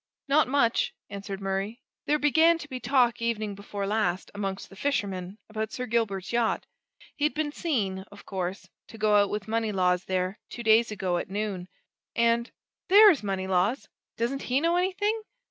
"Not much," answered Murray. "There began to be talk evening before last, amongst the fishermen, about Sir Gilbert's yacht. He'd been seen, of course, to go out with Moneylaws there, two days ago, at noon. And there is Moneylaws! Doesn't he know anything?